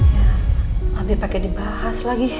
ya abis pake dibahas lagi